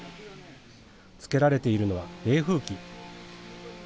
つけられているのは、冷風機。